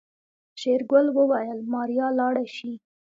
شېرګل وويل ماريا لاړه شي.